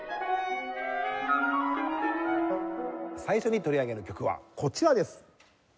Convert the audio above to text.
最初に取り上げる曲はこちらです。